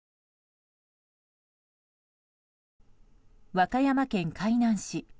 和歌山県海南市。